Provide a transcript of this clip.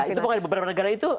itu pokoknya di beberapa negara itu